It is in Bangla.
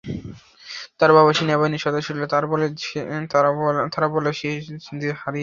তার বাবা সেনাবাহিনীর সদস্য ছিল এবং তারা বলে যে সে হারিয়ে গেছে।